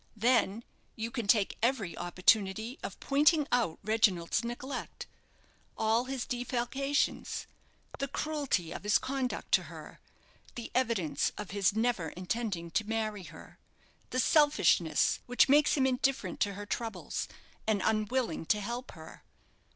Then, you can take every opportunity of pointing out Reginald's neglect, all his defalcations, the cruelty of his conduct to her, the evidence of his never intending to marry her, the selfishness which makes him indifferent to her troubles, and unwilling to help her.